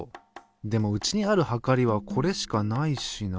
でもうちにあるはかりはこれしかないしな。